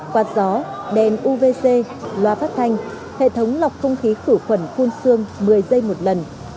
quạt gió đèn uvc loa phát thanh hệ thống lọc không khí khử khuẩn phun xương một mươi giây một lần